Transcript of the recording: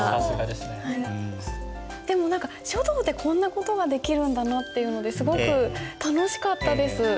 でも書道でこんな事ができるんだなっていうのですごく楽しかったです。